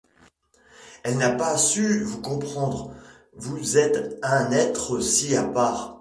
Elle n’a pas su vous comprendre ; vous êtes un être si à part.